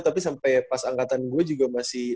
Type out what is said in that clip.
tapi sampai pas angkatan gue juga masih